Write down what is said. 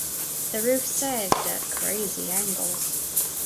The roof sagged at crazy angles.